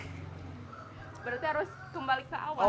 berarti harus kembali ke awal